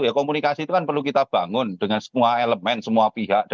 ya komunikasi itu kan perlu kita bangun dengan semua elemen semua pihak